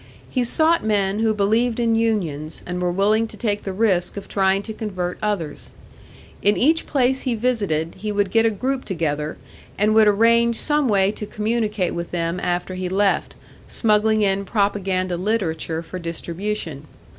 He sought men who believed in unions, and were willing to take the risk of trying to convert others. In each place he visited he would get a group together, and would arrange some way to communicate with them after he left, smuggling in propaganda literature for distribution.